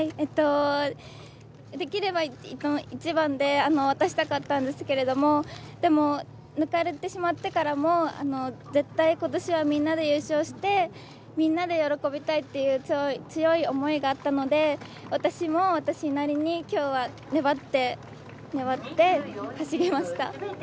できれば１番で渡したかったんですけれども、でも抜かれてしまってからも、絶対今年はみんなで優勝してみんなで喜びたいっていう強い思いがあったので私も私なりに今日は粘って、粘って走りました。